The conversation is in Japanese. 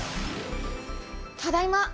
ただいま。